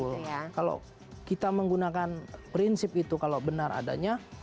jadi kalau kita menggunakan prinsip itu kalau benar adanya